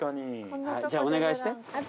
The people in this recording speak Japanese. じゃあお願いして。